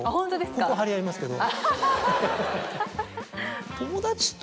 ここ張り合いますけど。